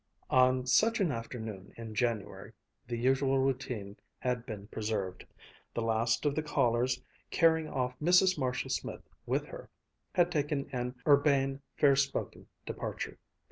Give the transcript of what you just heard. On such an afternoon in January, the usual routine had been preserved. The last of the callers, carrying off Mrs. Marshall Smith with her, had taken an urbane, fair spoken departure.